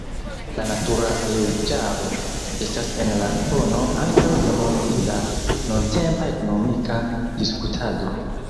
La natura leĝaro estas en la fono ankaŭ de multe da nuntempa ekonomika diskutado.